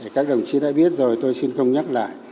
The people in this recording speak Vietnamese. các đồng chí đã biết rồi tôi xin không nhắc lại